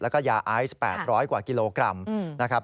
แล้วก็ยาไอซ์๘๐๐กว่ากิโลกรัมนะครับ